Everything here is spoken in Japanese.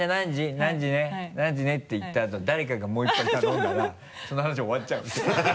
「何時ね」って言ったあとに誰かがもう１杯頼んだらその話終わっちゃうの。